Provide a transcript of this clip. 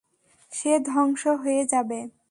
সে ধ্বংস হয়ে যাবে।